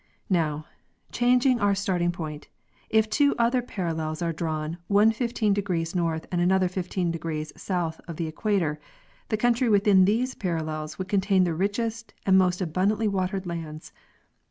Now, changing our starting point, if two other parallels are drawn, one fifteen degrees north and another fifteen degrees south of the equator, the country within these parallels would contain the richest and most abundantly watered lands, produc 1—Nart.